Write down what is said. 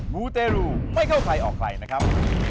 มูเตรูไม่เข้าใครออกใครนะครับ